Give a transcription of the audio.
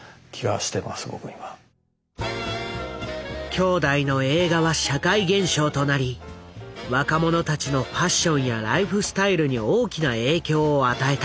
兄弟の映画は社会現象となり若者たちのファッションやライフスタイルに大きな影響を与えた。